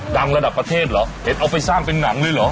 ระดับประเทศเหรอเห็นเอาไปสร้างเป็นหนังเลยเหรอ